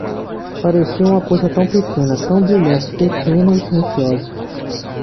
Parecia uma coisa tão pequena, tão brilhante, pequena e silenciosa.